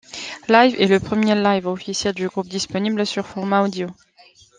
Live est le premier live officiel du groupe disponible sur format audio.